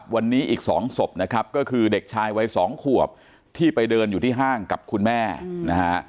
วันนี้อีก๒ศพนะครับก็คือเด็กชายวัยสองขวบที่ไปเดินอยู่ที่ห้างกับคุณแม่นะฮะ